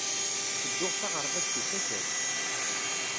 Ttedduɣ s aɣerbaz s usakal.